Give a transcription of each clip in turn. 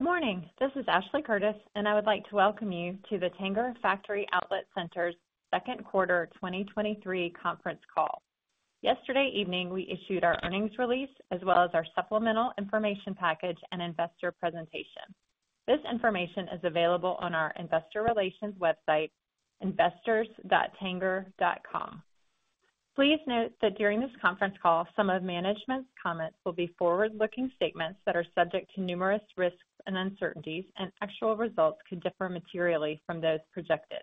Good morning. This is Ashley Curtis, and I would like to welcome you to the Tanger Factory Outlet Centers' second quarter, 2023 conference call. Yesterday evening, we issued our earnings release, as well as our supplemental information package and investor presentation. This information is available on our investor relations website, investors.tanger.com. Please note that during this conference call, some of management's comments will be forward-looking statements that are subject to numerous risks and uncertainties, and actual results could differ materially from those projected.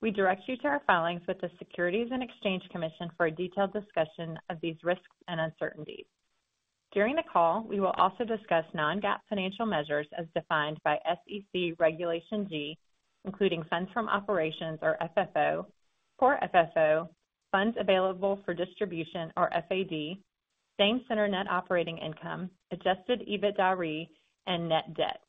We direct you to our filings with the Securities and Exchange Commission for a detailed discussion of these risks and uncertainties. During the call, we will also discuss non-GAAP financial measures as defined by SEC Regulation G, including funds from operations or FFO, Core FFO, funds available for distribution or FAD, Same Center Net Operating Income, Adjusted EBITDAre, and net debt.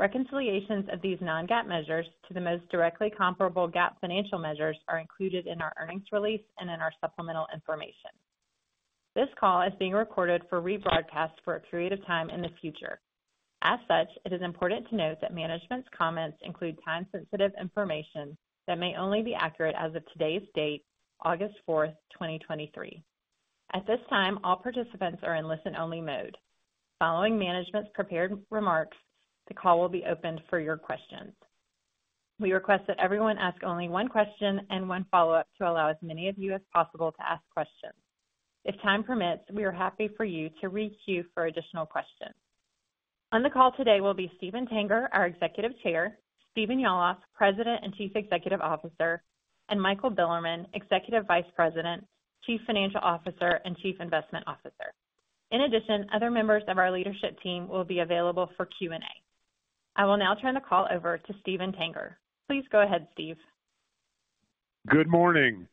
Reconciliations of these non-GAAP measures to the most directly comparable GAAP financial measures are included in our earnings release and in our supplemental information. This call is being recorded for rebroadcast for a period of time in the future. As such, it is important to note that management's comments include time-sensitive information that may only be accurate as of today's date, August 4th, 2023. At this time, all participants are in listen-only mode. Following management's prepared remarks, the call will be opened for your questions. We request that everyone ask only one question and one follow-up, to allow as many of you as possible to ask questions. If time permits, we are happy for you to re-queue for additional questions. On the call today will be Steven Tanger, our executive chair, Stephen Yalof, President and Chief Executive Officer, and Michael Bilerman, Executive Vice President, Chief Financial Officer, and Chief Investment Officer. In addition, other members of our leadership team will be available for Q&A. I will now turn the call over to Steven Tanger. Please go ahead, Steve. Good morning,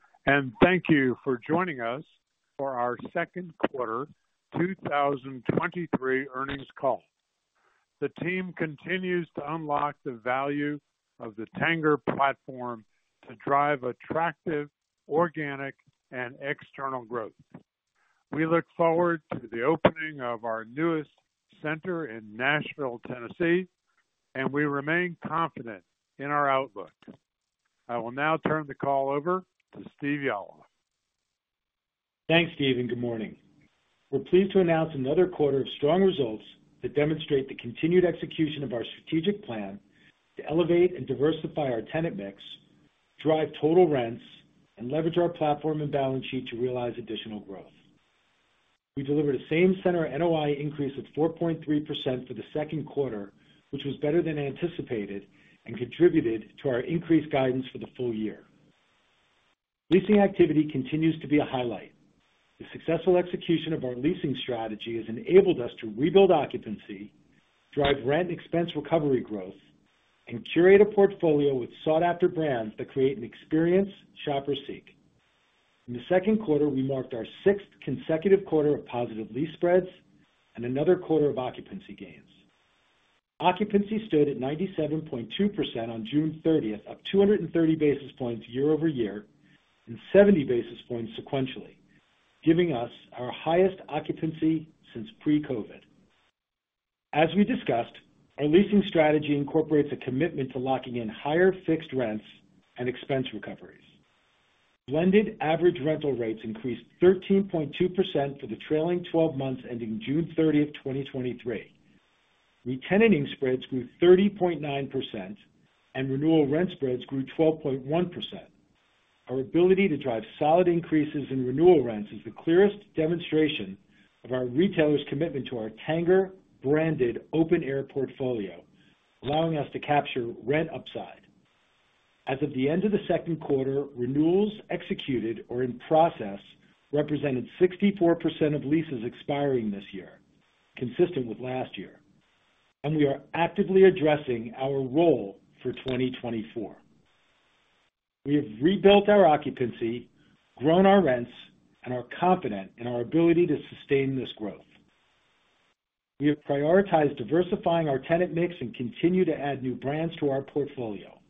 thank you for joining us for our second quarter 2023 earnings call. The team continues to unlock the value of the Tanger platform to drive attractive, organic, and external growth. We look forward to the opening of our newest center in Nashville, Tennessee, and we remain confident in our outlook. I will now turn the call over to Stephen Yalof. Thanks, Steve. Good morning. We're pleased to announce another quarter of strong results that demonstrate the continued execution of our strategic plan to elevate and diversify our tenant mix, drive total rents, and leverage our platform and balance sheet to realize additional growth. We delivered a Same Center NOI increase of 4.3% for the second quarter, which was better than anticipated and contributed to our increased guidance for the full year. Leasing activity continues to be a highlight. The successful execution of our leasing strategy has enabled us to rebuild occupancy, drive rent expense recovery growth, and curate a portfolio with sought-after brands that create an experience shoppers seek. In the second quarter, we marked our 6th consecutive quarter of positive lease spreads and another quarter of occupancy gains. Occupancy stood at 97.2% on June 30th, up 230 basis points year-over-year and 70 basis points sequentially, giving us our highest occupancy since pre-COVID. As we discussed, our leasing strategy incorporates a commitment to locking in higher fixed rents and expense recoveries. Blended average rental rates increased 13.2% for the trailing 12 months, ending June 30th, 2023. Re-tenanting spreads grew 30.9%, and renewal rent spreads grew 12.1%. Our ability to drive solid increases in renewal rents is the clearest demonstration of our retailers' commitment to our Tanger-branded open-air portfolio, allowing us to capture rent upside. As of the end of the second quarter, renewals executed or in process represented 64% of leases expiring this year, consistent with last year, and we are actively addressing our role for 2024. We have rebuilt our occupancy, grown our rents, and are confident in our ability to sustain this growth. We have prioritized diversifying our tenant mix and continue to add new brands to our portfolio.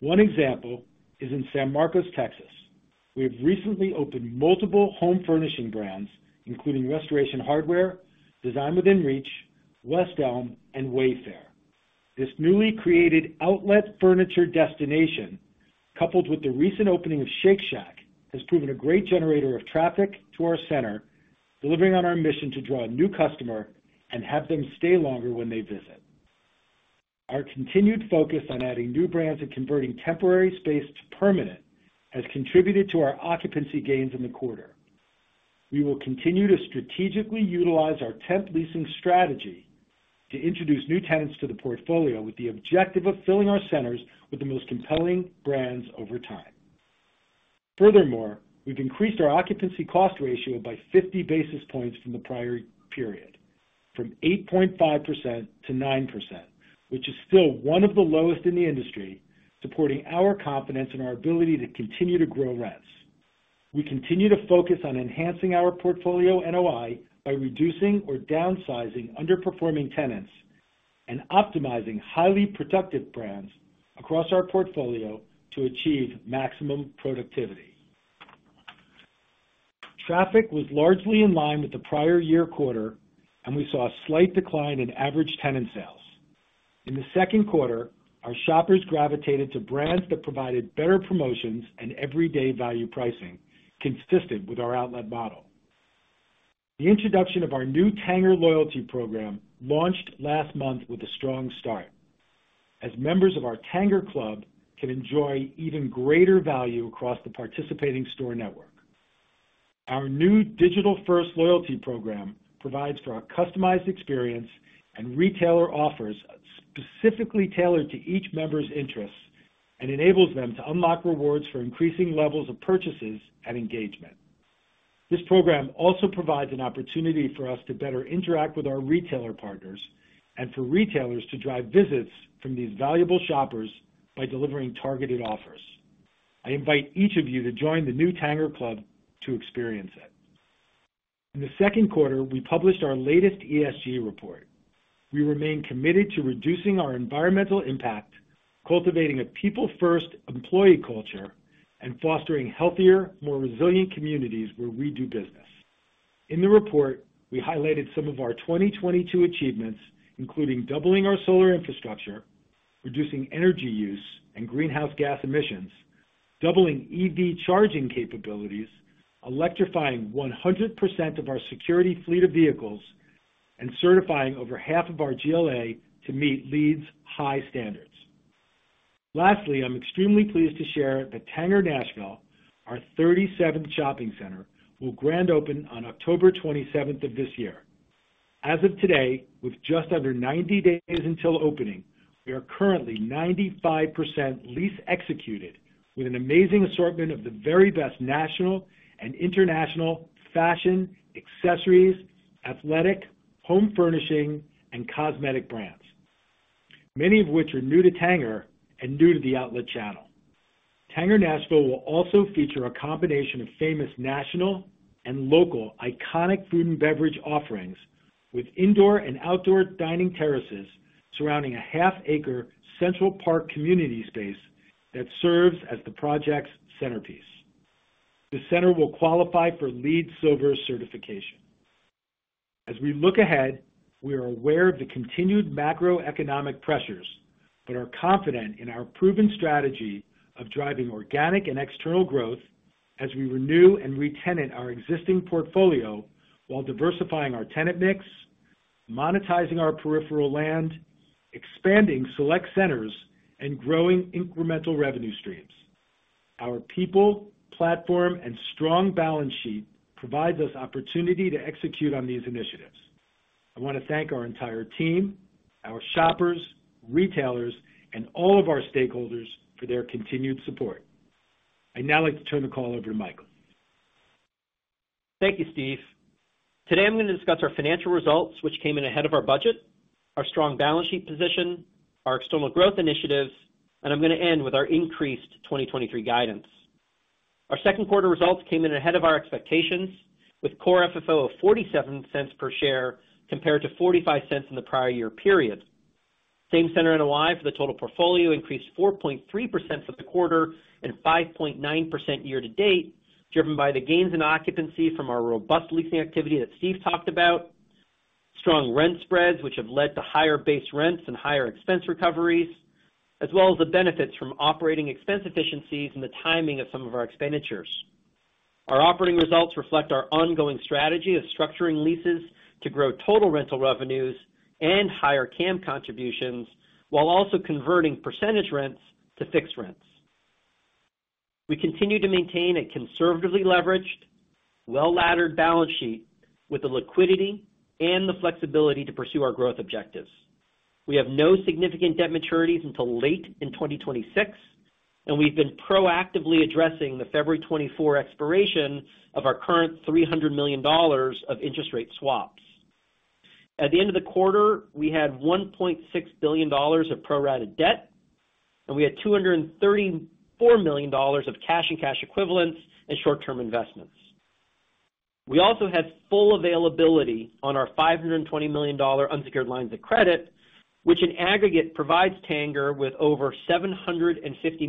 One example is in San Marcos, Texas. We have recently opened multiple home furnishing brands, including Restoration Hardware, Design Within Reach, West Elm, and Wayfair. This newly created outlet furniture destination, coupled with the recent opening of Shake Shack, has proven a great generator of traffic to our center, delivering on our mission to draw a new customer and have them stay longer when they visit. Our continued focus on adding new brands and converting temporary space to permanent has contributed to our occupancy gains in the quarter. We will continue to strategically utilize our temp leasing strategy to introduce new tenants to the portfolio, with the objective of filling our centers with the most compelling brands over time. Furthermore, we've increased our occupancy cost ratio by 50 basis points from the prior period, from 8.5% to 9%, which is still one of the lowest in the industry, supporting our confidence in our ability to continue to grow rents. We continue to focus on enhancing our portfolio NOI by reducing or downsizing underperforming tenants and optimizing highly productive brands across our portfolio to achieve maximum productivity. Traffic was largely in line with the prior year quarter, and we saw a slight decline in average tenant sales. In the second quarter, our shoppers gravitated to brands that provided better promotions and everyday value pricing, consistent with our outlet model. The introduction of our new Tanger loyalty program launched last month with a strong start, as members of our TangerClub can enjoy even greater value across the participating store network. Our new digital-first loyalty program provides for a customized experience and retailer offers specifically tailored to each member's interests, and enables them to unlock rewards for increasing levels of purchases and engagement. This program also provides an opportunity for us to better interact with our retailer partners and for retailers to drive visits from these valuable shoppers by delivering targeted offers. I invite each of you to join the new TangerClub to experience it. In the second quarter, we published our latest ESG report. We remain committed to reducing our environmental impact, cultivating a people-first employee culture, and fostering healthier, more resilient communities where we do business. In the report, we highlighted some of our 2022 achievements, including doubling our solar infrastructure, reducing energy use and greenhouse gas emissions, doubling EV charging capabilities, electrifying 100% of our security fleet of vehicles, and certifying over half of our GLA to meet LEED's high standards. Lastly, I'm extremely pleased to share that Tanger Nashville, our 37th shopping center, will grand open on October 27th of this year. As of today, with just under 90 days until opening, we are currently 95% lease executed, with an amazing assortment of the very best national and international fashion, accessories, athletic, home furnishing, and cosmetic brands, many of which are new to Tanger and new to the outlet channel. Tanger Nashville will also feature a combination of famous national and local iconic food and beverage offerings, with indoor and outdoor dining terraces surrounding a half-acre central park community space that serves as the project's centerpiece. The center will qualify for LEED Silver certification. As we look ahead, we are aware of the continued macroeconomic pressures, but are confident in our proven strategy of driving organic and external growth as we renew and retenant our existing portfolio while diversifying our tenant mix, monetizing our peripheral land, expanding select centers, and growing incremental revenue streams. Our people, platform, and strong balance sheet provides us opportunity to execute on these initiatives. I want to thank our entire team, our shoppers, retailers, and all of our stakeholders for their continued support. I'd now like to turn the call over to Michael. Thank you, Steph. Today, I'm going to discuss our financial results, which came in ahead of our budget, our strong balance sheet position, our external growth initiatives, and I'm going to end with our increased 2023 guidance. Our second quarter results came in ahead of our expectations, with Core FFO of $0.47 per share, compared to $0.45 in the prior year period. Same Center NOI for the total portfolio increased 4.3% for the quarter and 5.9% year-to-date, driven by the gains in occupancy from our robust leasing activity that Steve talked about, strong rent spreads, which have led to higher base rents and higher expense recoveries, as well as the benefits from operating expense efficiencies and the timing of some of our expenditures. Our operating results reflect our ongoing strategy of structuring leases to grow total rental revenues and higher CAM contributions, while also converting percentage rents to fixed rents. We continue to maintain a conservatively leveraged, well-laddered balance sheet with the liquidity and the flexibility to pursue our growth objectives. We have no significant debt maturities until late in 2026. We've been proactively addressing the February 2024 expiration of our current $300 million of interest rate swaps. At the end of the quarter, we had $1.6 billion of pro-rata debt, and we had $234 million of cash and cash equivalents and short-term investments. We also had full availability on our $520 million unsecured lines of credit, which in aggregate provides Tanger with over $750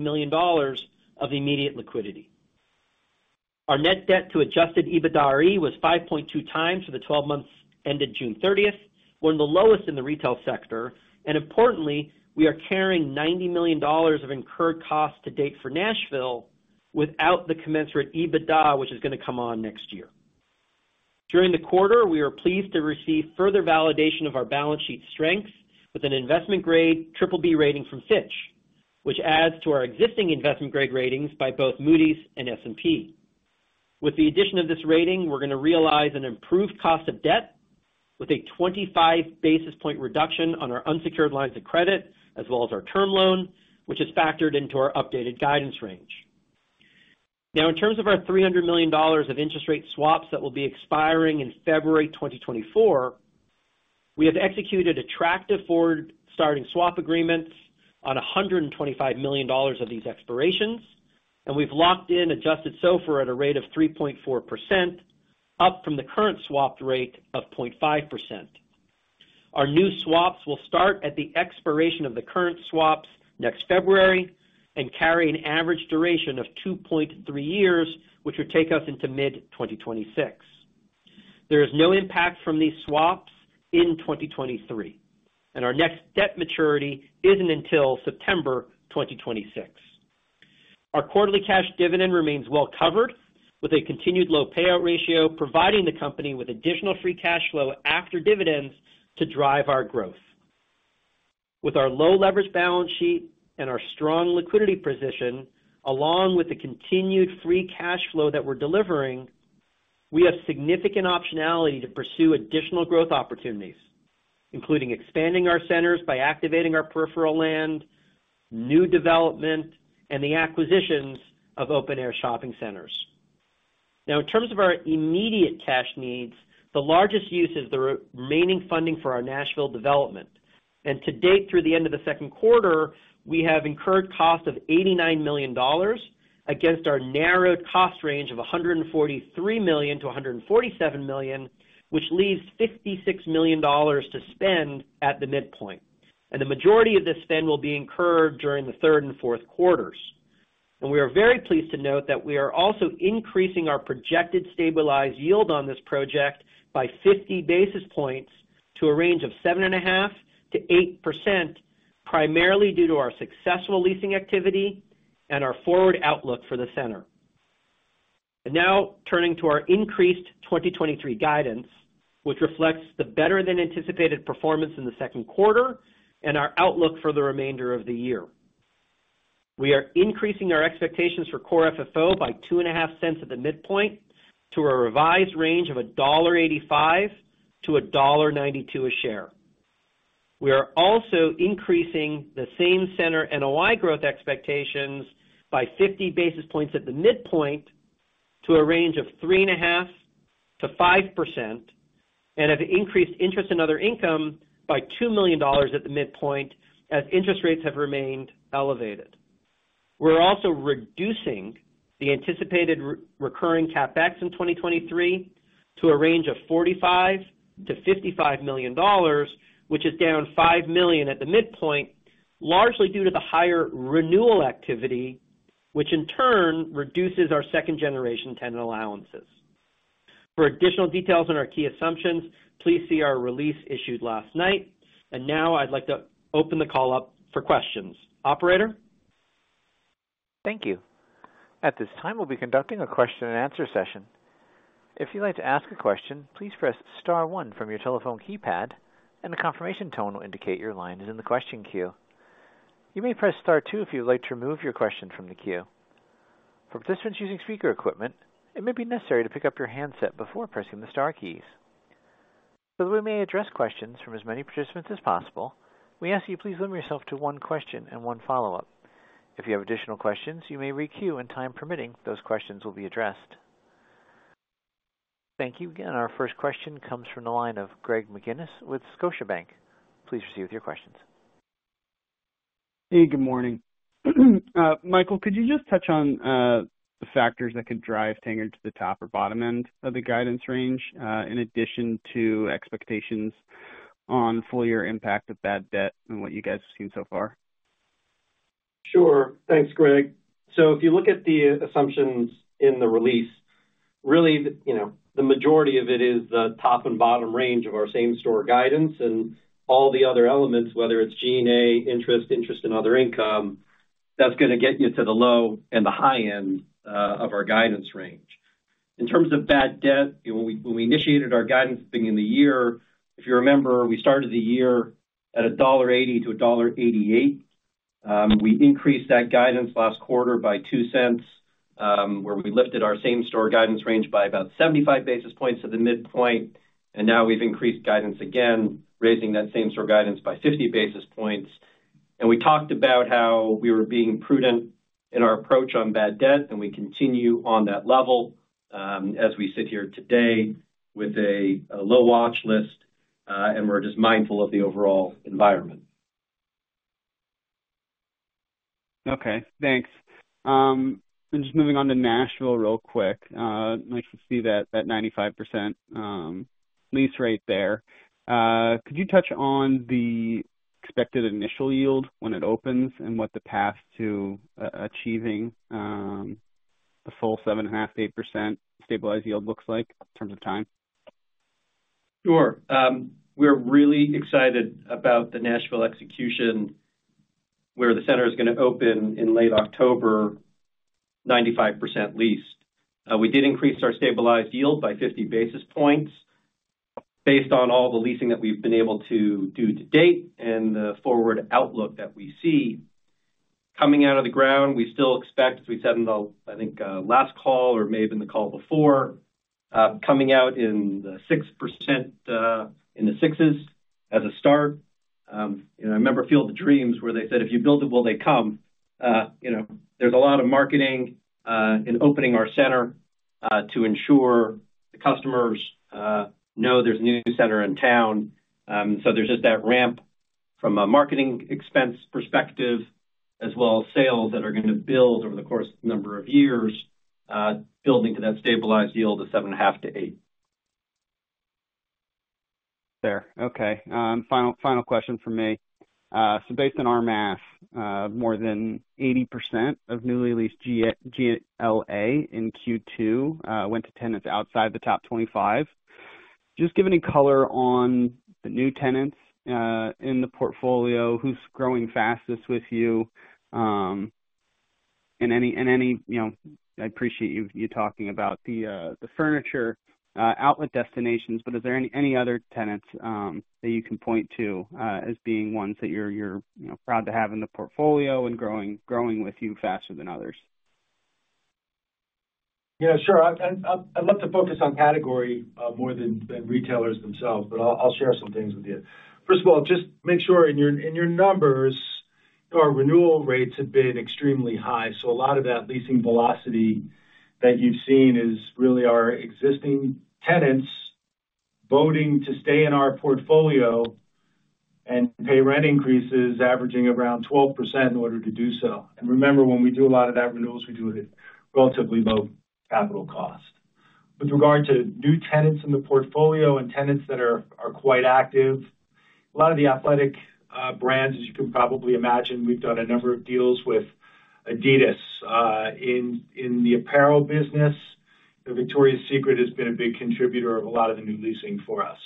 million of immediate liquidity. Our net debt to Adjusted EBITDAre was 5.2x for the 12 months ended June 30th, one of the lowest in the retail sector. Importantly, we are carrying $90 million of incurred costs to date for Nashville without the commensurate EBITDA, which is going to come on next year. During the quarter, we are pleased to receive further validation of our balance sheet strengths with an investment grade BBB rating from Fitch, which adds to our existing investment grade ratings by both Moody's and S&P. With the addition of this rating, we're going to realize an improved cost of debt with a 25 basis point reduction on our unsecured lines of credit, as well as our term loan, which is factored into our updated guidance range. In terms of our $300 million of interest rate swaps that will be expiring in February 2024, we have executed attractive forward starting swap agreements on $125 million of these expirations, and we've locked in adjusted SOFR at a rate of 3.4%, up from the current swapped rate of 0.5%. Our new swaps will start at the expiration of the current swaps next February and carry an average duration of 2.3 years, which would take us into mid-2026. There is no impact from these swaps in 2023, and our next debt maturity isn't until September 2026. Our quarterly cash dividend remains well covered, with a continued low payout ratio, providing the company with additional free cash flow after dividends to drive our growth. With our low leverage balance sheet and our strong liquidity position, along with the continued free cash flow that we're delivering, we have significant optionality to pursue additional growth opportunities, including expanding our centers by activating our peripheral land, new development, and the acquisitions of open-air shopping centers. In terms of our immediate cash needs, the largest use is the remaining funding for our Nashville development. To date, through the end of the second quarter, we have incurred costs of $89 million against our narrowed cost range of $143 million to $147 million, which leaves $56 million to spend at the midpoint. The majority of this spend will be incurred during the third and fourth quarters. We are very pleased to note that we are also increasing our projected stabilized yield on this project by 50 basis points to a range of 7.5% to 8%, primarily due to our successful leasing activity and our forward outlook for the center. Now turning to our increased 2023 guidance, which reflects the better than anticipated performance in the second quarter and our outlook for the remainder of the year. We are increasing our expectations for Core FFO by $0.025 at the midpoint to a revised range of $1.85 to $1.92 a share. We are also increasing the Same Center NOI growth expectations by 50 basis points at the midpoint to a range of 3.5% to 5%, and have increased interest in other income by $2 million at the midpoint, as interest rates have remained elevated. We're also reducing the anticipated rerecurring CapEx in 2023 to a range of $45 million to $55 million, which is down $5 million at the midpoint, largely due to the higher renewal activity, which in turn reduces our second-generation tenant allowances. For additional details on our key assumptions, please see our release issued last night. Now I'd like to open the call up for questions. Operator? Thank you. At this time, we'll be conducting a question and answer session. If you'd like to ask a question, please press star one from your telephone keypad, and a confirmation tone will indicate your line is in the question queue. You may press star two if you'd like to remove your question from the queue. For participants using speaker equipment, it may be necessary to pick up your handset before pressing the star keys. That we may address questions from as many participants as possible, we ask you to please limit yourself to one question and one follow-up. If you have additional questions, you may requeue, and time permitting, those questions will be addressed. Thank you. Again, our first question comes from the line of Greg McGinniss with Scotiabank. Please proceed with your questions. Hey, good morning. Michael, could you just touch on the factors that could drive Tanger to the top or bottom end of the guidance range, in addition to expectations on full year impact of bad debt and what you guys have seen so far? Thanks, Greg. If you look at the assumptions in the release, really, the, you know, the majority of it is the top and bottom range of our same store guidance and all the other elements, whether it's G&A, interest, interest and other income, that's gonna get you to the low and the high end of our guidance range. In terms of bad debt, when we, we initiated our guidance at the beginning of the year, if you remember, we started the year at $1.80 to $1.88. We increased that guidance last quarter by $0.02, where we lifted our same store guidance range by about 75 basis points to the midpoint, and now we've increased guidance again, raising that same store guidance by 50 basis points. We talked about how we were being prudent in our approach on bad debt, and we continue on that level, as we sit here today with a, a low watch list, and we're just mindful of the overall environment. Okay, thanks. Just moving on to Nashville real quick. Nice to see that, that 95% lease rate there. Could you touch on the expected initial yield when it opens and what the path to achieving the full 7.5% to 8% stabilized yield looks like in terms of time? Sure. We're really excited about the Nashville execution, where the center is gonna open in late October, 95% leased. We did increase our stabilized yield by 50 basis points, based on all the leasing that we've been able to do to date and the forward outlook that we see. Coming out of the ground, we still expect, as we said on the, I think, last call or may have been the call before, coming out in the 6%, in the sixes as a start. You know, I remember Field of Dreams, where they said, "If you build it, will they come?" You know, there's a lot of marketing, in opening our center, to ensure the customers, know there's a new center in town. There's just that ramp from a marketing expense perspective, as well as sales that are going to build over the course of a number of years, building to that stabilized yield of 7.5% to 8%. There. Okay, final, final question from me. Based on our math, more than 80% of newly leased GLA in Q2 went to tenants outside the top 25. Just give any color on the new tenants in the portfolio, who's growing fastest with you? You know, I appreciate you talking about the furniture outlet destinations, is there any other tenants that you can point to as being ones that you're, you know, proud to have in the portfolio and growing with you faster than others? Yeah, sure. I'd love to focus on category, more than, than retailers themselves, but I'll, I'll share some things with you. First of all, just make sure in your, in your numbers, our renewal rates have been extremely high, so a lot of that leasing velocity that you've seen is really our existing tenants voting to stay in our portfolio and pay rent increases averaging around 12% in order to do so. Remember, when we do a lot of that renewals, we do it at relatively low capital cost. With regard to new tenants in the portfolio and tenants that are, are quite active, a lot of the athletic brands, as you can probably imagine, we've done a number of deals with Adidas. In, in the apparel business, the Victoria's Secret has been a big contributor of a lot of the new leasing for us.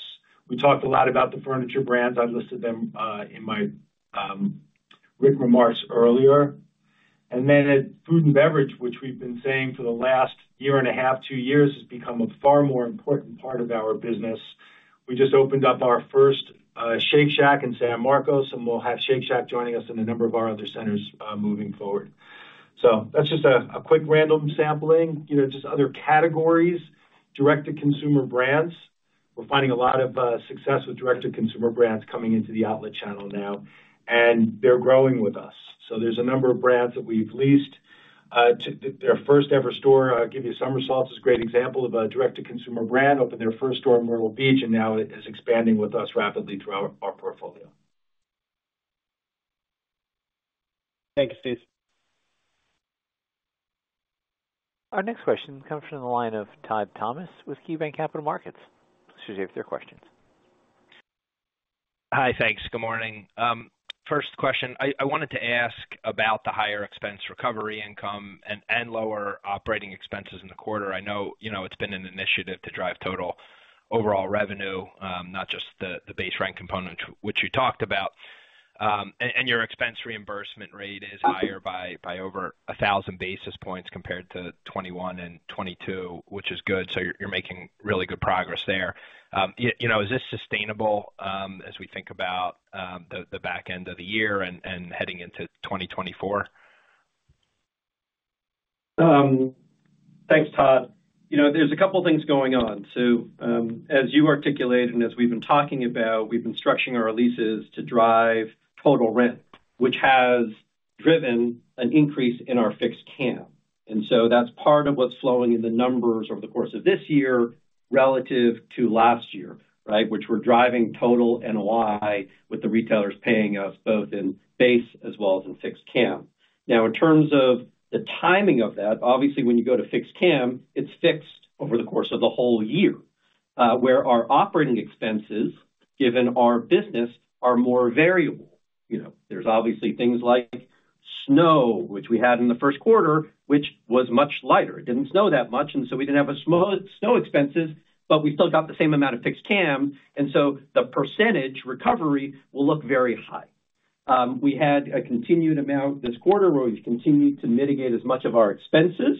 We talked a lot about the furniture brands. I've listed them in my written remarks earlier. Then at food and beverage, which we've been saying for the last one and a half, two years, has become a far more important part of our business. We just opened up our first Shake Shack in San Marcos, and we'll have Shake Shack joining us in a number of our other centers moving forward. That's just a, a quick random sampling. You know, just other categories, direct-to-consumer brands. We're finding a lot of success with direct-to-consumer brands coming into the outlet channel now, and they're growing with us. There's a number of brands that we've leased to their first-ever store. I'll give you Summersalt as a great example of a direct-to-consumer brand, opened their first store in Myrtle Beach, and now it is expanding with us rapidly through our portfolio. Thank you, Steph. Our next question comes from the line of Todd Thomas with KeyBanc Capital Markets. Please proceed with your questions. Hi. Thanks. Good morning. First question, I wanted to ask about the higher expense recovery income and lower operating expenses in the quarter. I know, you know, it's been an initiative to drive total overall revenue, not just the base rank component, which you talked about. Your expense reimbursement rate is higher by over 1,000 basis points compared to 2021 and 2022, which is good, so you're making really good progress there. You know, is this sustainable, as we think about the back end of the year and heading into 2024? Thanks, Todd. You know, there's a couple things going on. As you articulated and as we've been talking about, we've been structuring our leases to drive total rent, which has driven an increase in our fixed CAM. That's part of what's flowing in the numbers over the course of this year relative to last year, right, which we're driving total NOI with the retailers paying us both in base as well as in fixed CAM. In terms of the timing of that, obviously, when you go to fixed CAM, it's fixed over the course of the whole year, where our operating expenses, given our business, are more variable. You know, there's obviously things like snow, which we had in the first quarter, which was much lighter. It didn't snow that much, and so we didn't have snow expenses, but we still got the same amount of fixed CAM, and so the % recovery will look very high. We had a continued amount this quarter where we've continued to mitigate as much of our expenses,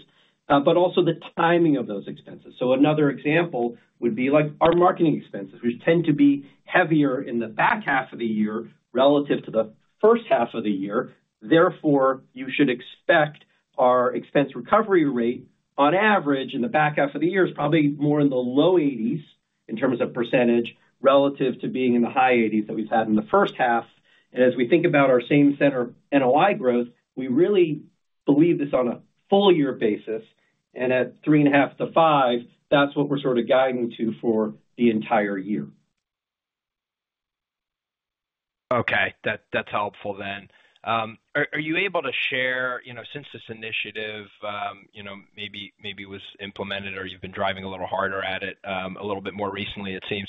but also the timing of those expenses. Another example would be like our marketing expenses, which tend to be heavier in the back half of the year relative to the first half of the year. Therefore, you should expect our expense recovery rate on average in the back half of the year is probably more in the low 80s in terms of %, relative to being in the high 80s that we've had in the first half. As we think about our Same Center NOI growth, we really believe this on a full year basis, and at 3.5% to 5%, that's what we're sort of guiding to for the entire year. Okay, that, that's helpful then. Are you able to share, since this initiative, maybe, maybe was implemented or you've been driving a little harder at it, a little bit more recently, it seems.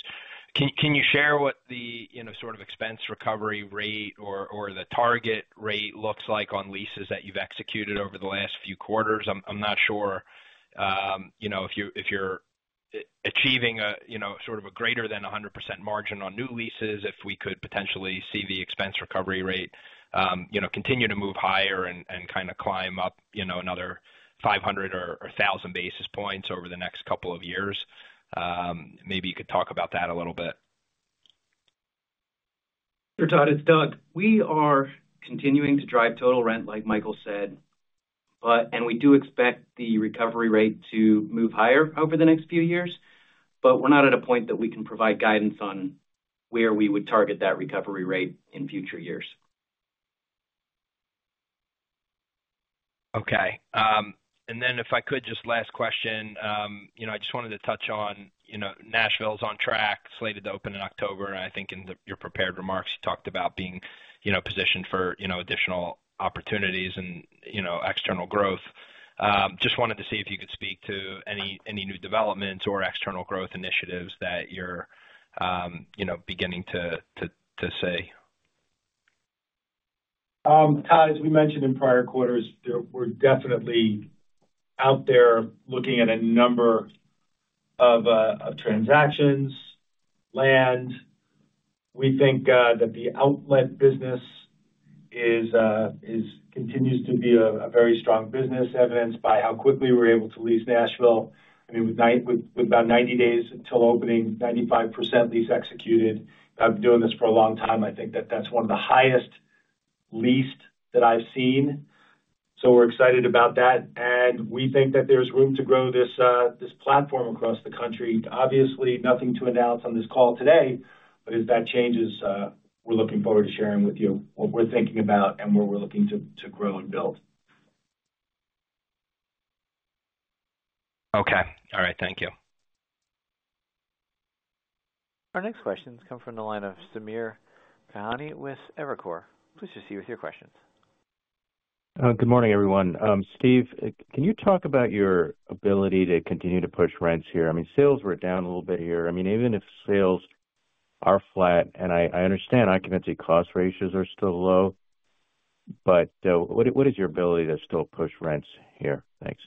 Can you share what the sort of expense recovery rate or, or the target rate looks like on leases that you've executed over the last few quarters? I'm not sure if you're achieving a sort of a greater than 100% margin on new leases, if we could potentially see the expense recovery rate continue to move higher and, and kind of climb up another 500 or 1,000 basis points over the next couple of years. Maybe you could talk about that a little bit. Sure, Todd, it's Doug. We are continuing to drive total rent, like Michael said, and we do expect the recovery rate to move higher over the next few years, but we're not at a point that we can provide guidance on where we would target that recovery rate in future years. If I could, just last question, you know, I just wanted to touch on, you know, Nashville's on track, slated to open in October. I think in the-- your prepared remarks, you talked about being, you know, positioned for, you know, additional opportunities and, you know, external growth. Just wanted to see if you could speak to any, any new developments or external growth initiatives that you're, you know, beginning to, to, to see? As we mentioned in prior quarters, we're definitely out there looking at a number of transactions, land. We think that the outlet business continues to be a, a very strong business, evidenced by how quickly we're able to lease Nashville. I mean, with about 90 days until opening, 95% lease executed. I've been doing this for a long time. I think that that's one of the highest leased that I've seen, so we're excited about that. We think that there's room to grow this platform across the country. Obviously, nothing to announce on this call today, but as that changes, we're looking forward to sharing with you what we're thinking about and where we're looking to, to grow and build. Okay. All right, thank you. Our next question comes from the line of Samir Khanal with Evercore. Please proceed with your questions. Good morning, everyone. Steph, can you talk about your ability to continue to push rents here? I mean, sales were down a little bit here. I mean, even if sales are flat, and I, I understand occupancy cost ratios are still low, but, what is, what is your ability to still push rents here? Thanks.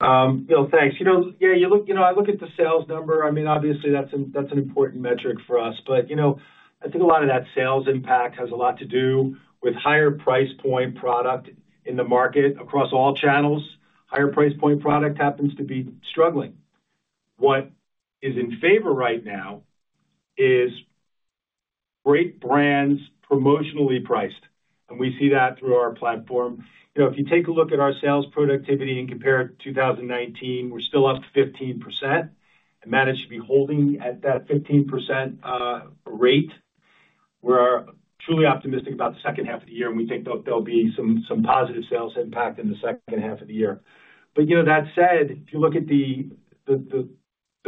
Bill, thanks. You know, yeah, You know, I look at the sales number, I mean, obviously, that's an, that's an important metric for us. You know, I think a lot of that sales impact has a lot to do with higher price point product in the market across all channels. Higher price point product happens to be struggling. What is in favor right now is great brands promotionally priced, and we see that through our platform. You know, if you take a look at our sales productivity and compare it to 2019, we're still up to 15%, and that it should be holding at that 15% rate. We're truly optimistic about the second half of the year, and we think there'll, there'll be some, some positive sales impact in the second half of the year. You know, that said, if you look at the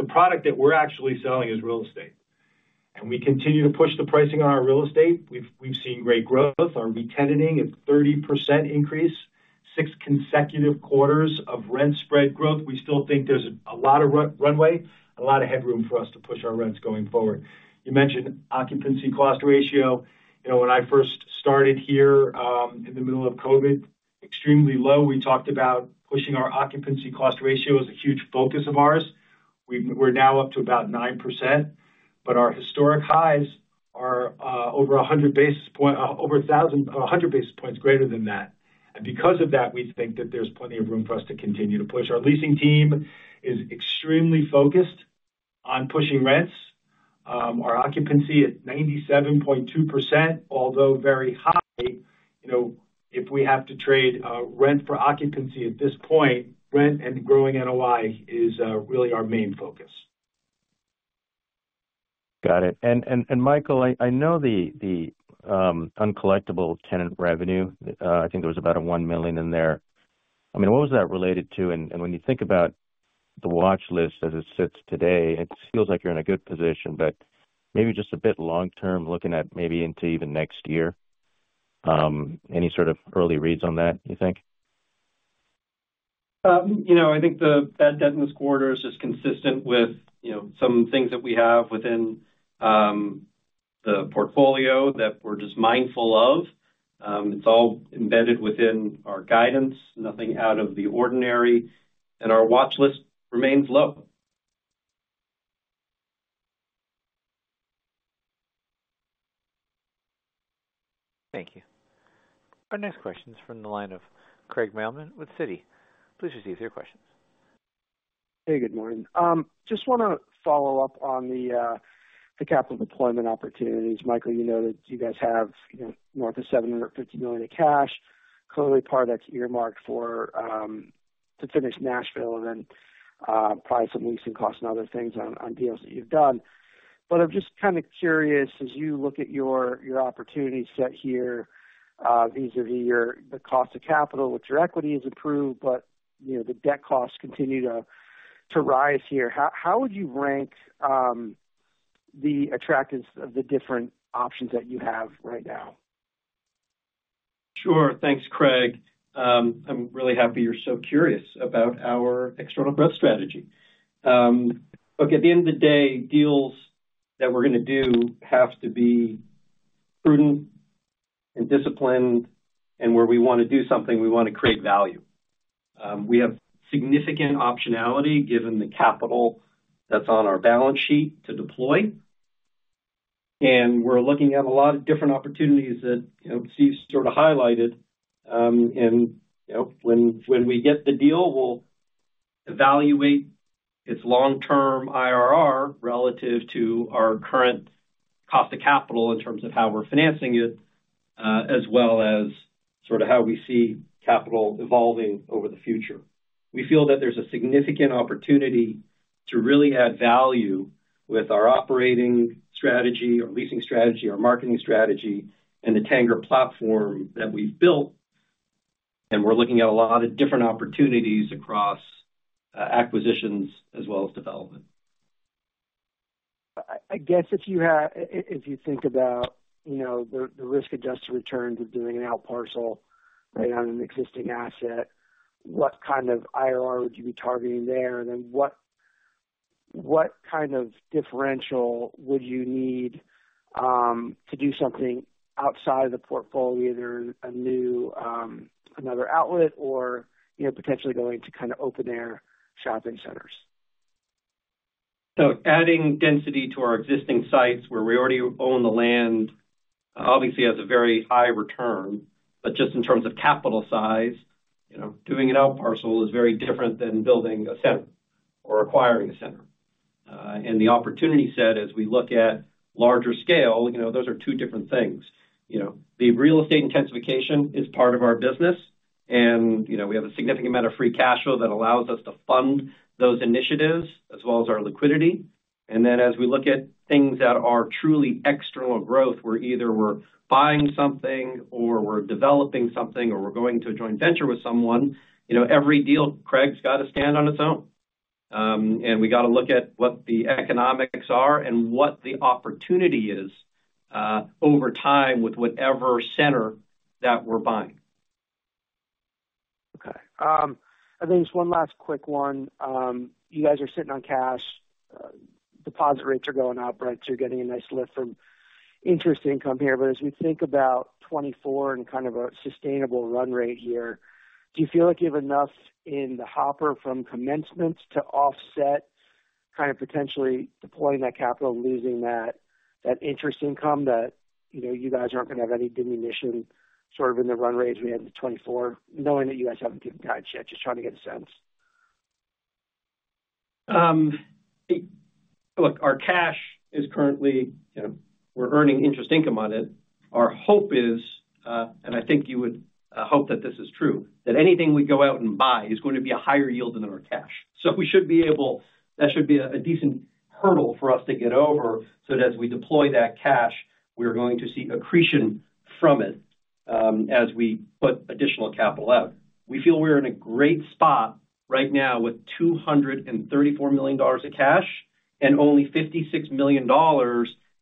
product that we're actually selling is real estate, and we continue to push the pricing on our real estate. We've seen great growth. Our re-tenanting is 30% increase, 6 consecutive quarters of rent spread growth. We still think there's a lot of runway, a lot of headroom for us to push our rents going forward. You mentioned occupancy cost ratio. You know, when I first started here, in the middle of COVID, extremely low, we talked about pushing our occupancy cost ratio as a huge focus of ours. We're now up to about 9%, but our historic highs are over 100 basis points, over 1,000, 100 basis points greater than that. Because of that, we think that there's plenty of room for us to continue to push. Our leasing team is extremely focused on pushing rents. Our occupancy at 97.2%, although very high, you know, if we have to trade rent for occupancy at this point, rent and growing NOI is really our main focus. Got it. Michael, I, I know the, the, uncollectible tenant revenue, I think there was about a $1 million in there. I mean, what was that related to? When you think about the watch list as it sits today, it feels like you're in a good position, but maybe just a bit long term, looking at maybe into even next year, any sort of early reads on that, you think? You know, I think the bad debt in this quarter is just consistent with, you know, some things that we have within the portfolio that we're just mindful of. It's all embedded within our guidance, nothing out of the ordinary, and our watch list remains low. Thank you. Our next question is from the line of Craig Mailman with Citi. Please receive your questions. Hey, good morning. Just wanna follow up on the capital deployment opportunities. Michael, you noted you guys have, you know, more than $750 million in cash. Clearly, part of that's earmarked for to finish Nashville and then probably some leasing costs and other things on, on deals that you've done. I'm just kind of curious, as you look at your, your opportunity set here, vis-a-vis your... the cost of capital, which your equity has improved, but, you know, the debt costs continue to, to rise here. How, how would you rank the attractiveness of the different options that you have right now? Sure. Thanks, Craig. I'm really happy you're so curious about our external growth strategy. Look, at the end of the day, deals that we're gonna do have to be prudent and disciplined, and where we wanna do something, we wanna create value. We have significant optionality, given the capital that's on our balance sheet to deploy, and we're looking at a lot of different opportunities that Steve sort of highlighted. And, you know, when, when we get the deal, we'll evaluate its long-term IRR relative to our current cost of capital in terms of how we're financing it, as well as sort of how we see capital evolving over the future. We feel that there's a significant opportunity. to really add value with our operating strategy, our leasing strategy, our marketing strategy, and the Tanger platform that we've built, and we're looking at a lot of different opportunities across, acquisitions as well as development. I guess if you think about, you know, the, the risk-adjusted returns of doing an out parcel right on an existing asset, what kind of IRR would you be targeting there? What, what kind of differential would you need to do something outside of the portfolio, either a new, another outlet or, you know, potentially going to kind of open-air shopping centers? Adding density to our existing sites where we already own the land, obviously has a very high return. Just in terms of capital size, you know, doing an out parcel is very different than building a center or acquiring a center. The opportunity set, as we look at larger scale, you know, those are two different things. You know, the real estate intensification is part of our business, and, you know, we have a significant amount of free cash flow that allows us to fund those initiatives as well as our liquidity. As we look at things that are truly external growth, where either we're buying something or we're developing something, or we're going to a joint venture with someone, you know, every deal, Craig, has got to stand on its own. We got to look at what the economics are and what the opportunity is, over time with whatever center that we're buying. Okay. Then just one last quick one. You guys are sitting on cash. Deposit rates are going up, right? You're getting a nice lift from interest income here. As we think about 2024 and kind of a sustainable run rate here, do you feel like you have enough in the hopper from commencements to offset kind of potentially deploying that capital and losing that, that interest income, that, you know, you guys aren't gonna have any ammunition sort of in the run rate as we head into 2024, knowing that you guys haven't given guide yet? Just trying to get a sense. Look, our cash is currently, you know, we're earning interest income on it. Our hope is, I think you would hope that this is true, that anything we go out and buy is going to be a higher yield than our cash. We should be able-- That should be a, a decent hurdle for us to get over, so that as we deploy that cash, we are going to see accretion from it, as we put additional capital out. We feel we're in a great spot right now with $234 million in cash and only $56 million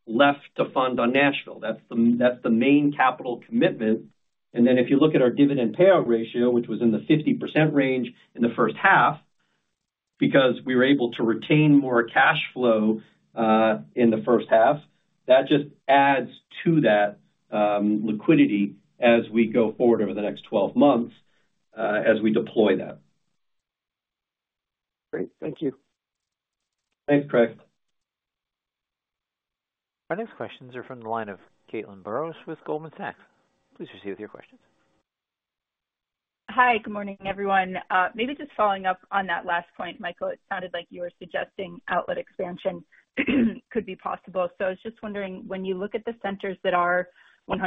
left to fund on Nashville. That's the, that's the main capital commitment. If you look at our dividend payout ratio, which was in the 50% range in the first half, because we were able to retain more cash flow, in the first half, that just adds to that liquidity as we go forward over the next 12 months, as we deploy that. Great. Thank you. Thanks, Craig. Our next questions are from the line of Caitlin Burrows with Goldman Sachs. Please proceed with your questions. Hi, good morning, everyone. Maybe just following up on that last point, Michael, it sounded like you were suggesting outlet expansion could be possible. I was just wondering, when you look at the centers that are 100%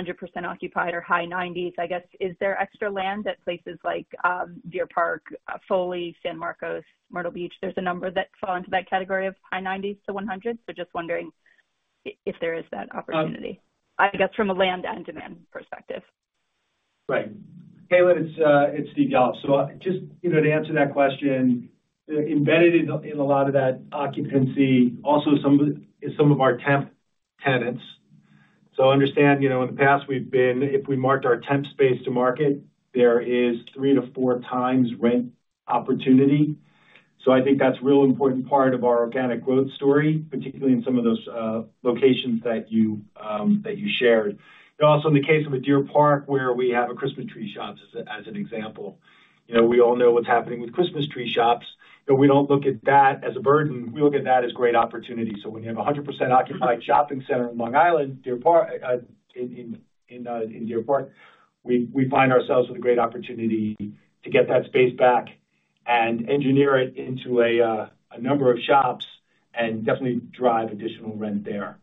occupied or high 90s, I guess, is there extra land at places like Deer Park, Foley, San Marcos, Myrtle Beach? There's a number that fall into that category of high 90s to 100. Just wondering if there is that opportunity, I guess, from a land and demand perspective. Right. Caitlin, it's, it's Steph Yalof. Just, you know, to answer that question, embedded in, in a lot of that occupancy, also some of, is some of our temp tenants. Understand, you know, in the past we've been-- if we marked our temp space to market, there is 3x to 4x rent opportunity. I think that's a real important part of our organic growth story, particularly in some of those, locations that you, that you shared. In the case of a Deer Park, where we have a Christmas Tree Shops, as a, as an example, you know, we all know what's happening with Christmas Tree Shops, but we don't look at that as a burden. We look at that as great opportunity. When you have a 100% occupied shopping center in Long Island, Deer Park in Deer Park, we, we find ourselves with a great opportunity to get that space back and engineer it into a number of shops and definitely drive additional rent there.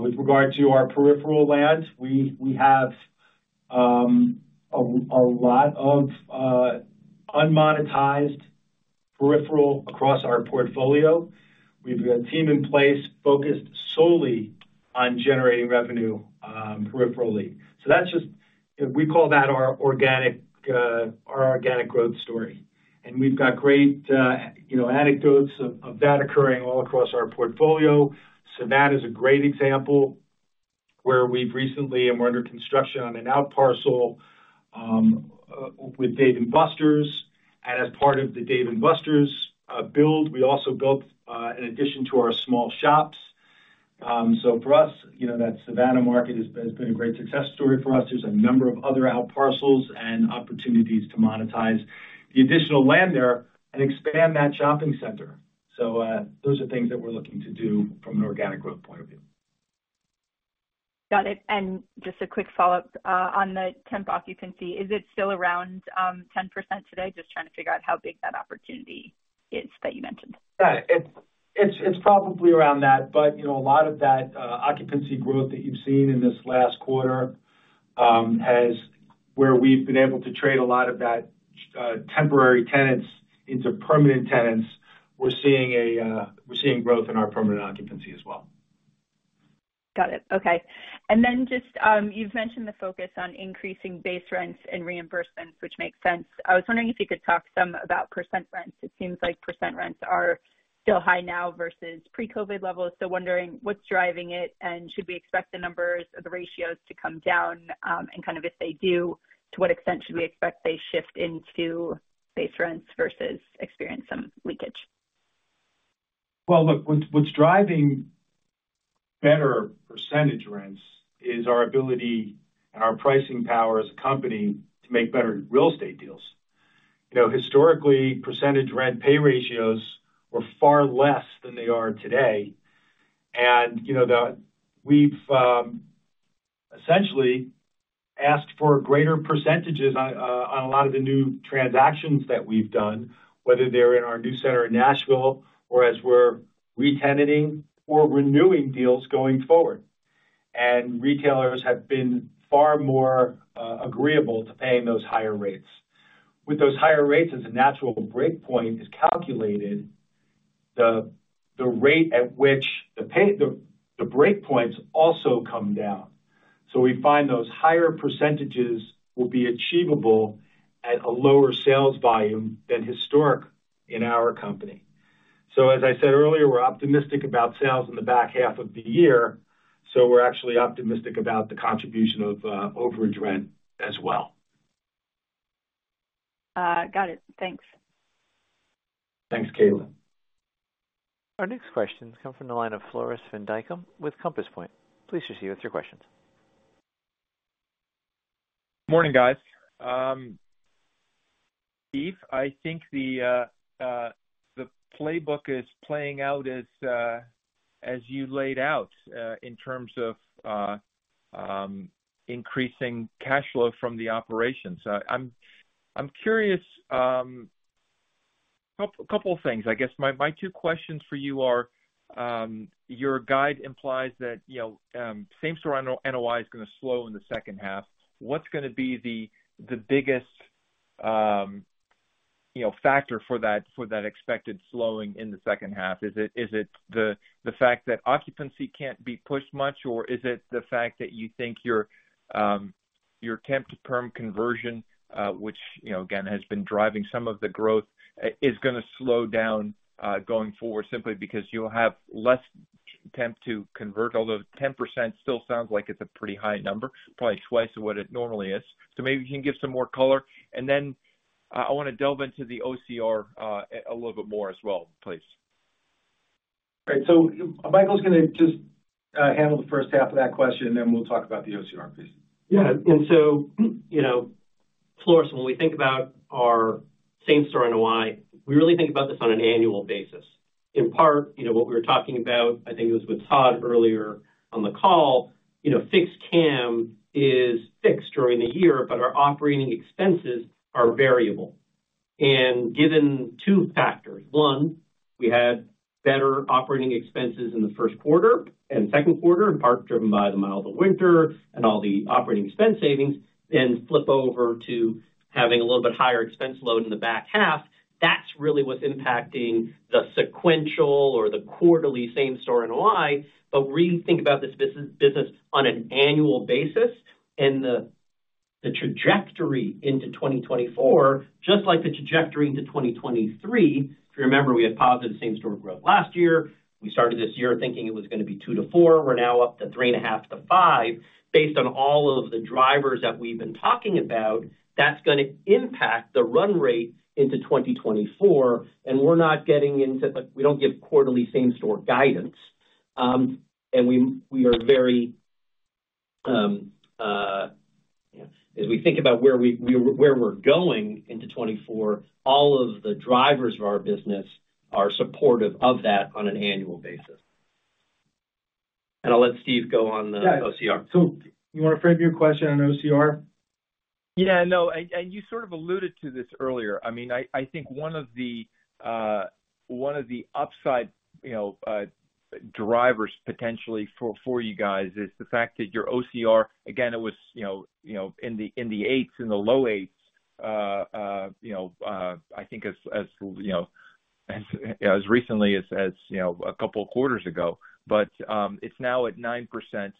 With regard to our peripheral land we have a lot of unmonetized peripheral across our portfolio. We've a team in place focused solely on generating revenue peripherally. That's just. We call that our organic, our organic growth story. We've got great, you know, anecdotes of, of that occurring all across our portfolio. Savannah is a great example where we've recently and we're under construction on an out parcel with Dave & Buster's. As part of the Dave & Buster's build, we also built an addition to our small shops. For us, you know, that Savannah market has been, has been a great success story for us. There's a number of other out parcels and opportunities to monetize the additional land there and expand that shopping center. Those are things that we're looking to do from an organic growth point of view. Got it. Just a quick follow-up on the temp occupancy. Is it still around 10% today? Just trying to figure out how big that opportunity is that you mentioned. It's probably around that, but, you know, a lot of that, occupancy growth that you've seen in this last quarter, has where we've been able to trade a lot of that, temporary tenants into permanent tenants. We're seeing a, we're seeing growth in our permanent occupancy as well. Got it. Okay. Then just, you've mentioned the focus on increasing base rents and reimbursements, which makes sense. I was wondering if you could talk some about percent rents. It seems like percent rents are still high now versus pre-COVID levels, wondering what's driving it, and should we expect the numbers or the ratios to come down? Kind of if they do, to what extent should we expect they shift into base rents versus experience some leakage? Well, look, what's, what's driving better percentage rents is our ability and our pricing power as a company to make better real estate deals. You know, historically, percentage rent pay ratios were far less than they are today. You know, the-- we've essentially asked for greater percentages on a lot of the new transactions that we've done, whether they're in our new center in Nashville or as we're re-tenanting or renewing deals going forward. Retailers have been far more agreeable to paying those higher rates. With those higher rates, as the natural breakpoint is calculated, the rate at which the breakpoints also come down. We find those higher percentages will be achievable at a lower sales volume than historic in our company. As I said earlier, we're optimistic about sales in the back half of the year, so we're actually optimistic about the contribution of overage rent as well. Got it. Thanks. Thanks, Caitlin. Our next question comes from the line of Floris van Dijkum with Compass Point. Please proceed with your questions. Morning, guys. Steph, I think the playbook is playing out as you laid out in terms of increasing cash flow from the operations. I'm curious, a couple of things. I guess my two questions for you are: Your guide implies that, you know, Same Center NOI is gonna slow in the second half. What's gonna be the biggest, you know, factor for that, for that expected slowing in the second half? Is it the fact that occupancy can't be pushed much, or is it the fact that you think your temp to perm conversion, which, you know, again, has been driving some of the growth, is gonna slow down going forward simply because you'll have less temp to convert? Although 10% still sounds like it's a pretty high number, probably twice of what it normally is. Maybe you can give some more color. Then, I wanna delve into the OCR, a little bit more as well, please. Right. Michael is gonna just handle the first half of that question, and then we'll talk about the OCR, please. Yeah. So, you know, Floris, when we think about our Same-Store NOI, we really think about this on an annual basis. In part, you know, what we were talking about, I think it was with Todd earlier on the call, you know, fixed CAM is fixed during the year, but our operating expenses are variable. Given two factors: One, we had better operating expenses in the first quarter and second quarter, in part driven by the mild winter and all the operating expense savings, then flip over to having a little bit higher expense load in the back half. That's really what's impacting the sequential or the quarterly Same-Store NOI. We think about this business on an annual basis and the, the trajectory into 2024, just like the trajectory into 2023. If you remember, we had positive Same-Store growth last year. We started this year thinking it was gonna be 2% to 4%. We're now up to 3.5% to 5%. Based on all of the drivers that we've been talking about, that's gonna impact the run rate into 2024, we're not getting into-- But we don't give quarterly Same-Store guidance. we are very, as we think about where we're going into 2024, all of the drivers of our business are supportive of that on an annual basis. I'll let Steph go on the OCR. Yeah. You want to rephrase your question on OCR? Yeah, no, and, and you sort of alluded to this earlier. I mean, I, I think one of the, one of the upside, you know, drivers potentially for, for you guys is the fact that your OCR, again, it was, you know, you know in the eights, in the low eights, you know, I think as, as, you know, as, as recently as, as, you know, a couple of quarters ago, but it's now at 9%.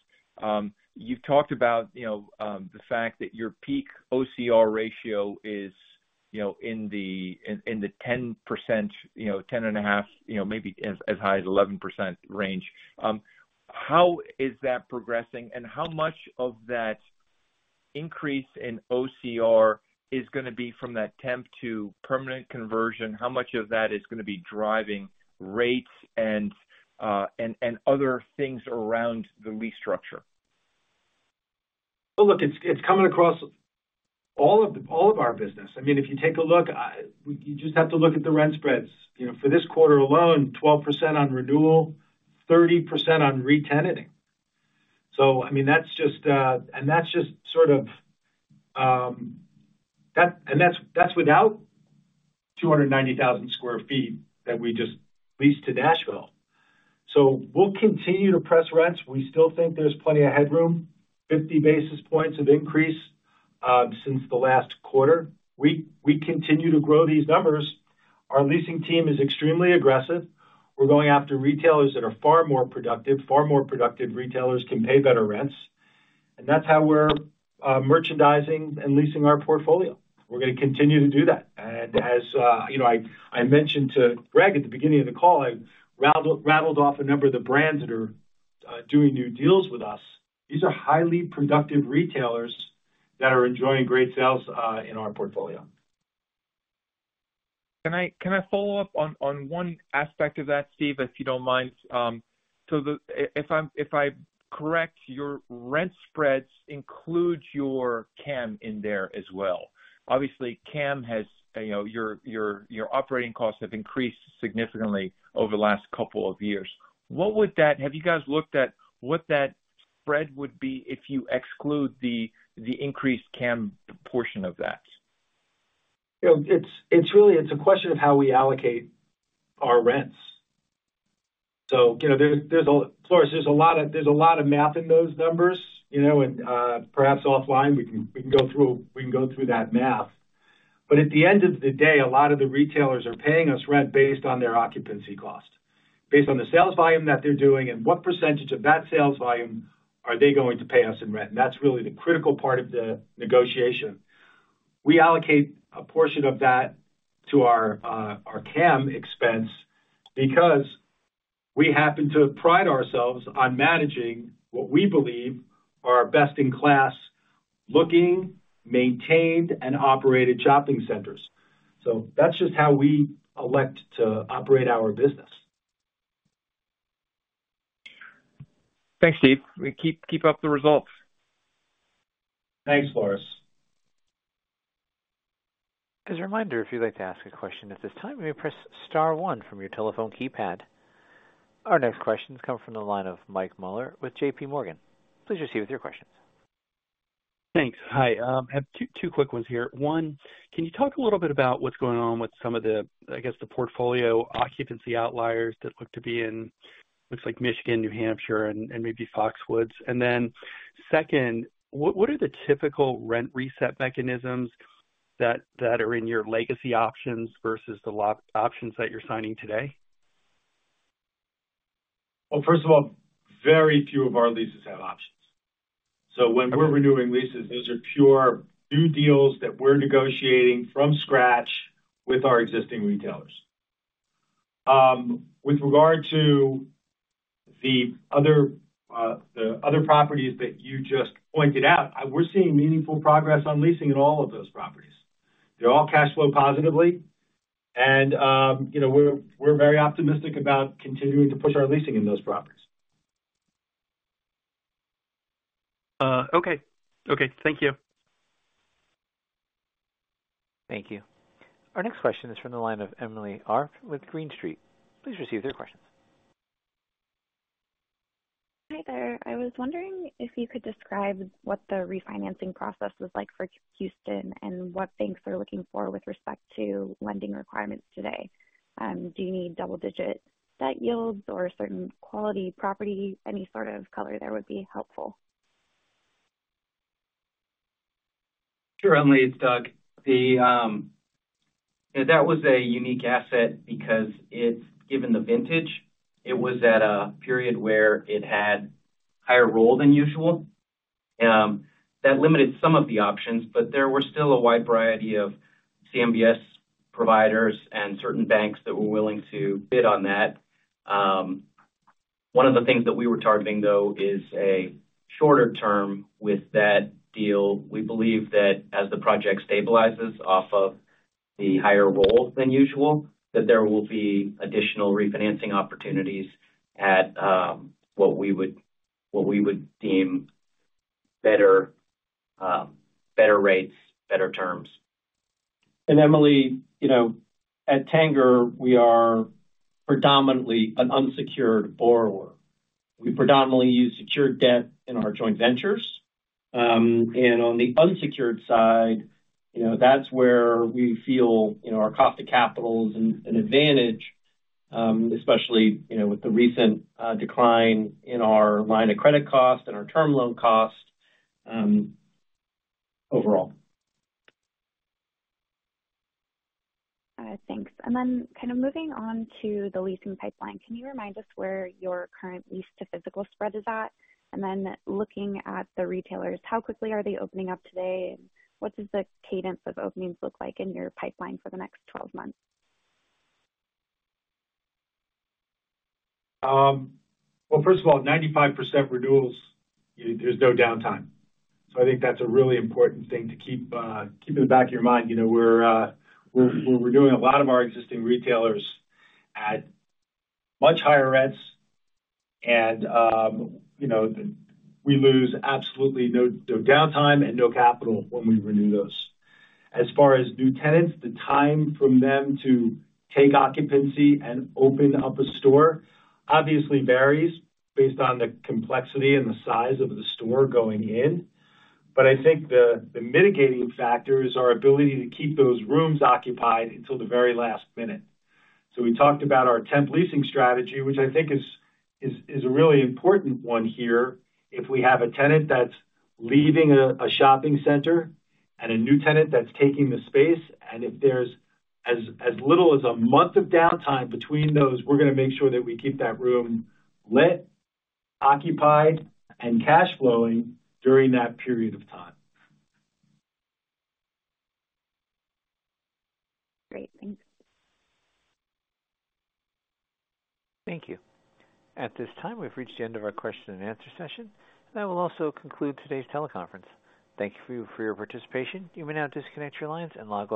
You've talked about, you know, the fact that your peak OCR ratio is, you know, in the, in, in the 10%, you know, 10.5%, you know, maybe as, as high as 11% range. How is that progressing? How much of that increase in OCR is gonna be from that temp to permanent conversion? How much of that is gonna be driving rates and other things around the lease structure? Well, look, it's, it's coming across all of our business. I mean, if you take a look, you just have to look at the rent spreads. You know, for this quarter alone, 12% on renewal, 30% on re-tenanting. I mean, that's just, and that's just sort of, and that's, that's without 290,000 sq ft that we just leased to Nashville. We'll continue to press rents. We still think there's plenty of headroom. 50 basis points of increase since the last quarter. We continue to grow these numbers. Our leasing team is extremely aggressive. We're going after retailers that are far more productive. Far more productive retailers can pay better rents, and that's how we're merchandising and leasing our portfolio. We're gonna continue to do that. As, you know, I, I mentioned to Greg at the beginning of the call, I rattled, rattled off a number of the brands that are doing new deals with us. These are highly productive retailers that are enjoying great sales in our portfolio. Can I, can I follow up on, on one aspect of that, Steph, if you don't mind? If I'm correct, your rent spreads include your CAM in there as well. Obviously, CAM has, you know, your, your, your operating costs have increased significantly over the last couple of years. What would that. Have you guys looked at what that spread would be if you exclude the, the increased CAM portion of that? You know, it's, it's really, it's a question of how we allocate our rents. You know, there's, there's a Floris, there's a lot of, there's a lot of math in those numbers, you know, and perhaps offline, we can, we can go through, we can go through that math. At the end of the day, a lot of the retailers are paying us rent based on their occupancy cost, based on the sales volume that they're doing and what percentage of that sales volume are they going to pay us in rent, and that's really the critical part of the negotiation. We allocate a portion of that to our CAM expense because we happen to pride ourselves on managing what we believe are our best-in-class looking, maintained, and operated shopping centers. That's just how we elect to operate our business. Thanks, Steph. Keep, keep up the results. Thanks, Floris. As a reminder, if you'd like to ask a question at this time, you may press star one from your telephone keypad. Our next question comes from the line of Mike Mueller with JPMorgan. Please proceed with your questions. Thanks. Hi. I have two quick ones here. One, can you talk a little bit about what's going on with some of the, I guess, the portfolio occupancy outliers that look to be in, looks like Michigan, New Hampshire, and maybe Foxwoods? Then second, what are the typical rent reset mechanisms that are in your legacy options versus the lock options that you're signing today? Well, first of all, very few of our leases have options. When we're renewing leases, those are pure new deals that we're negotiating from scratch with our existing retailers. With regard to the other, the other properties that you just pointed out, we're seeing meaningful progress on leasing in all of those properties. They're all cash flow positively, and, you know, we're, we're very optimistic about continuing to push our leasing in those properties. Okay. Okay, thank you. Thank you. Our next question is from the line of Emily Arft with Green Street. Please receive their questions. Hi, there. I was wondering if you could describe what the refinancing process was like for Houston and what banks are looking for with respect to lending requirements today. Do you need double-digit debt yields or certain quality property? Any sort of color there would be helpful. Sure, Emily, it's Doug. Yeah, that was a unique asset because it's given the vintage, it was at a period where it had higher roll than usual. That limited some of the options, but there were still a wide variety of CMBS providers and certain banks that were willing to bid on that. One of the things that we were targeting, though, is a shorter term with that deal. We believe that as the project stabilizes off of the higher roll than usual, that there will be additional refinancing opportunities at, what we would, what we would deem better, better rates, better terms. Emily, you know, at Tanger, we are predominantly an unsecured borrower. We predominantly use secured debt in our joint ventures. On the unsecured side, you know, that's where we feel, you know, our cost to capital is an advantage, especially, you know, with the recent decline in our line of credit cost and our term loan cost, overall. Thanks. Kind of moving on to the leasing pipeline, can you remind us where your current lease to physical spread is at? Looking at the retailers, how quickly are they opening up today, and what does the cadence of openings look like in your pipeline for the next 12 months? Well, first of all, 95% renewals, you know, there's no downtime. I think that's a really important thing to keep in the back of your mind. You know, we're, we're doing a lot of our existing retailers at much higher rents, and, you know, we lose absolutely no, no downtime and no capital when we renew those. As far as new tenants, the time from them to take occupancy and open up a store obviously varies based on the complexity and the size of the store going in. I think the, the mitigating factor is our ability to keep those rooms occupied until the very last minute. We talked about our temp leasing strategy, which I think is, is, is a really important one here. If we have a tenant that's leaving a, a shopping center and a new tenant that's taking the space, and if there's as, as little as 1 month of downtime between those, we're gonna make sure that we keep that room lit, occupied, and cash flowing during that period of time. Great. Thanks. Thank you. At this time, we've reached the end of our question and answer session, and that will also conclude today's teleconference. Thank you for, for your participation. You may now disconnect your lines and log off.